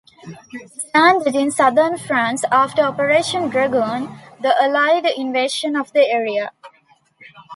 It landed in southern France after Operation Dragoon, the Allied invasion of the area.